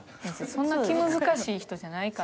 そんな気難しい人じゃないから。